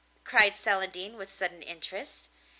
cried Celandine with sudden interest.